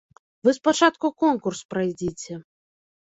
Вы спачатку конкурс прайдзіце.